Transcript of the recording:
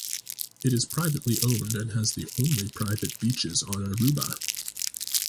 It is privately owned and has the only private beaches on Aruba.